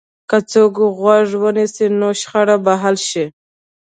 که څوک غوږ ونیسي، نو شخړه به حل شي.